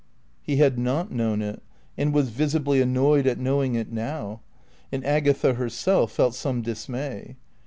He had not known it, and was visibly annoyed at knowing it now. And Agatha herself felt some dismay.